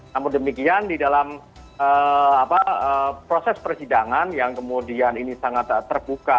namun demikian di dalam proses persidangan yang kemudian ini sangat terbuka